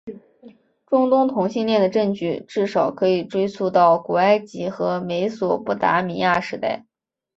中东同性恋的证据至少可以追溯到古埃及和美索不达米亚时代。